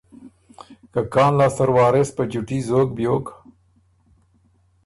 که کان لاسته ر وارث په چُوټي زوک بیوک